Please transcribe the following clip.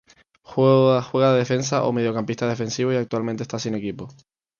Juega de defensa o mediocampista defensivo y actualmente está sin equipo.